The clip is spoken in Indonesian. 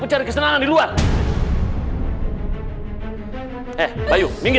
mencari kesenangan di luar eh bayu